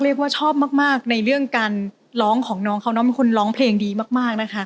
เรียกว่าชอบมากในเรื่องการร้องของน้องเขาน้องเป็นคนร้องเพลงดีมากนะคะ